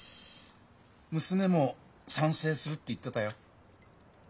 娘も「賛成する」って言ってたよ。